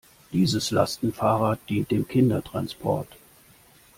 Dieses Lastenfahrrad dient dem Kindertransport.